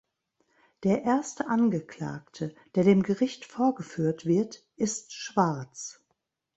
Der erste Angeklagte, der dem Gericht vorgeführt wird, ist schwarz.